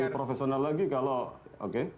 profesional lagi kalau oke